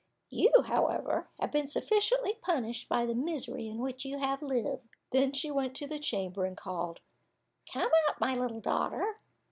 You, however, have been sufficiently punished by the misery in which you have lived." Then she went to the chamber and called, "Come out, my little daughter."